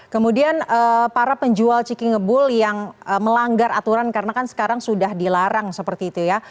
kemudian para penjual ciki ngebul yang melanggar aturan karena kan sekarang sudah dilarang seperti itu ya